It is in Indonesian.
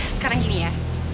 sekarang gini ya